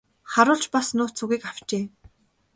Харуул ч бас нууц үгийг авчээ.